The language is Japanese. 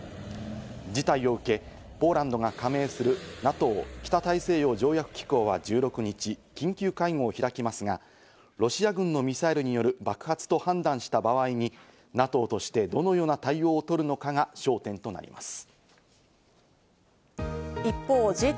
事態を受け、ポーランドが加盟するＮＡＴＯ＝北大西洋条約機構は１６日、緊急会合を開きますが、ロシア軍のミサイルによる爆発と判断した場合にＮＡＴＯとしてどのような対応をとるのかが焦点となります。